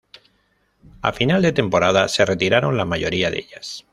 A final de temporada se retiraron la mayoría de ellas.